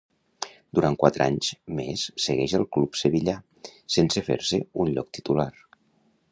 Durant quatre anys més segueix al club sevillà, sense fer-se un lloc titular.